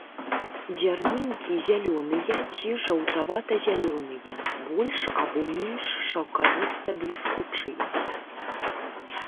Дзярнінкі зялёныя ці жаўтавата-зялёныя, больш або менш шаўкавіста-бліскучыя.